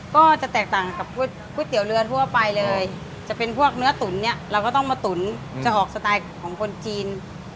ก็จะแตกต่างกับก๋วยเตี๋ยวเรือทั่วไปเลยจะเป็นพวกเนื้อตุ๋นเนี่ยเราก็ต้องมาตุ๋นจะออกสไตล์ของคนจีน